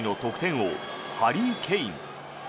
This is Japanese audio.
王ハリー・ケイン。